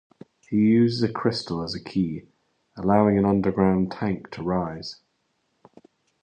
He uses a crystal as a key, allowing an underground tank to rise.